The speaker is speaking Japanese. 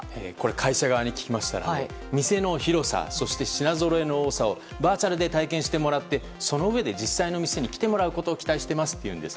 会社側に聞きましたら店の広さそして品ぞろえの多さをバーチャルで体験してもらいそのうえで実際のお店に来てもらうことを期待していると。